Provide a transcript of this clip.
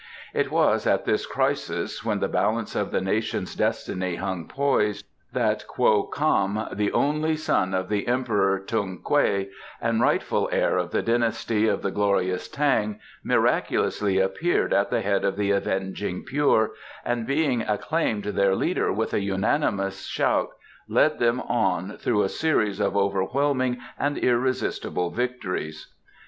It was at this crisis, when the balance of the nation's destiny hung poised, that Kwo Kam, the only son of the Emperor Tung Kwei, and rightful heir of the dynasty of the glorious Tang, miraculously appeared at the head of the Avenging Pure and being acclaimed their leader with a unanimous shout led them on through a series of overwhelming and irresistible victories.